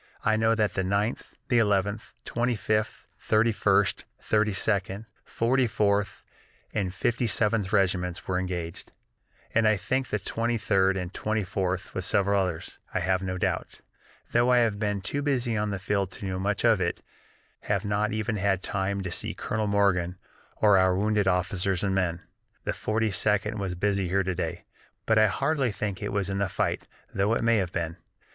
I know that the Ninth, Eleventh, Twenty fifth, Thirty first, Thirty second, Forty fourth, and Fifty seventh Regiments were engaged, and I think the Twenty third and Twenty fourth, with several others, I have no doubt, though I have been too busy on the field to know much of it have not even had time yet to see Colonel Morgan or our wounded officers and men. The Forty second was busy here to day, but I hardly think it was in the fight, though it may have been.